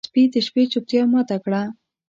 سپي د شپې چوپتیا ماته کړه.